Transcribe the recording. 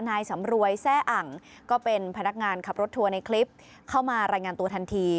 นายสำรวยแซ่อังก็เป็นพนักงานขับรถทัวร์ในคลิปเข้ามารายงานตัวทันที